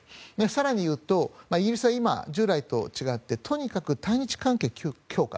更に言うと、イギリスは今従来と違ってとにかく対日関係強化。